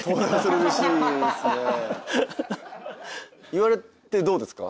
言われてどうですか？